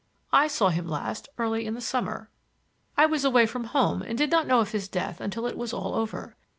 I saw him last early in the summer. I was away from home and did not know of his death until it was all over.